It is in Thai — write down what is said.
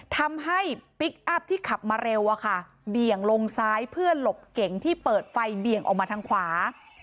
ทำให้พลิกอัพที่ขับมาเร็วอะค่ะเบี่ยงลงซ้ายเพื่อหลบเก่งที่เปิดไฟเบี่ยงออกมาทางขวา